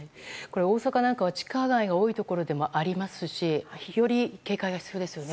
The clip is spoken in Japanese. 大阪は地下街が多いところでもありますしより警戒が必要ですよね。